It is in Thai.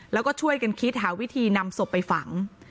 แล้วก็ช่วยกันคิดหาวิธีนำศพไปฝัง